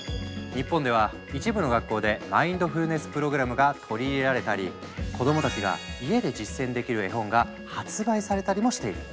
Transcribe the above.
日本では一部の学校でマインドフルネス・プログラムが取り入れられたり子どもたちが家で実践できる絵本が発売されたりもしている。